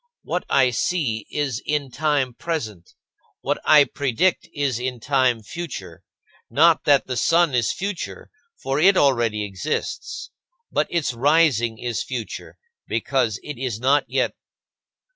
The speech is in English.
What I see is in time present, what I predict is in time future not that the sun is future, for it already exists; but its rising is future, because it is not yet.